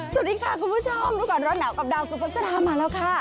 สวัสดีค่ะคุณผู้ชมรู้ก่อนร้อนหนาวกับดาวสุภาษามาแล้วค่ะ